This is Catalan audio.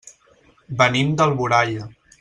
Venim d'Alboraia.